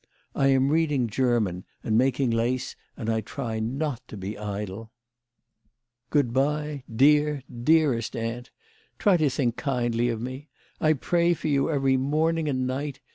I am reading German and making lace, and I try not to be idle. " Good bye, dear, dearest aunt. Try to think kindly of me. I pray for you every morning and night.